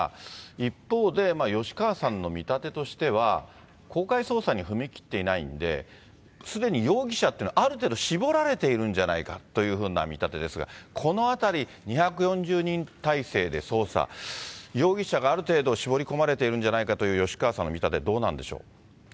一方で、吉川さんの見立てとしては、公開捜査に踏み切っていないんで、すでに容疑者っていうのは、ある程度、絞られているんじゃないかというふうな見立てですが、このあたり、２４０人態勢で捜査、容疑者がある程度、絞り込まれているんじゃないかという吉川さんの見立て、どうなんでしょう。